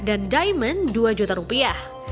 dan diamond dua juta rupiah